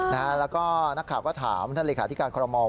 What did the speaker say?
แล้วก็นักข่าวก็ถามท่านเลขาธิการคอรมอล